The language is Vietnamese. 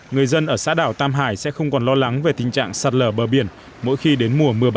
người dân ở xã đảo tam hải sẽ không còn lo lắng về tình trạng sạt lở bờ biển mỗi khi đến mùa mưa bão